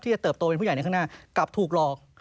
จะเติบโตเป็นผู้ใหญ่ในข้างหน้ากลับถูกหลอก